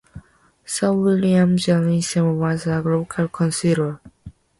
Sir William Grimshaw was a local councillor.